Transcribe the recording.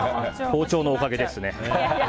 包丁のおかげですね。